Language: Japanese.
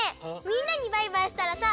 みんなにバイバイしたらさ